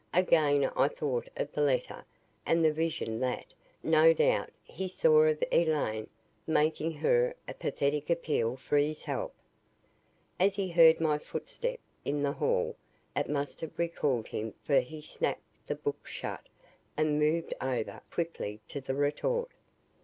Again I thought of the letter, and the vision that, no doubt, he saw of Elaine making her pathetic appeal for his help. As he heard my footstep in the hall, it must have recalled him for he snapped the book shut and moved over quickly to the retort.